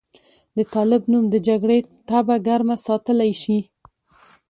د طالب نوم د جګړې تبه ګرمه ساتلی شي.